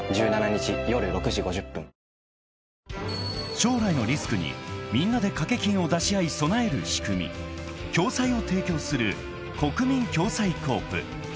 ［将来のリスクにみんなで掛け金を出し合い備える仕組み共済を提供するこくみん共済ｃｏｏｐ］